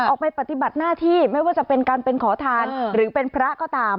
ปฏิบัติหน้าที่ไม่ว่าจะเป็นการเป็นขอทานหรือเป็นพระก็ตาม